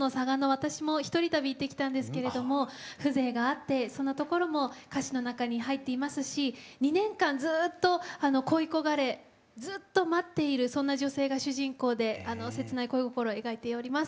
私も１人旅行ってきたんですけれども風情があってそんなところも歌詞の中に入っていますし２年間ずっと恋い焦がれずっと待っているそんな女性が主人公で切ない恋心を描いております。